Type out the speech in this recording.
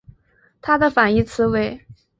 它的反义词为。